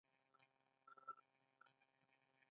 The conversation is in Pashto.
څنګه کولی شم د ماشومانو لپاره د الله تعالی سلام بیان کړم